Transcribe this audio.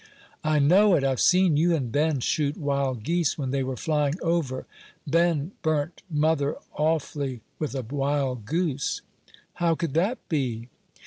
"I know it; I've seen you and Ben shoot wild geese when they were flying over. Ben burnt mother awfully with a wild goose." "How could that be?"